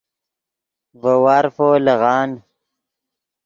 ڤے وارفو لیغان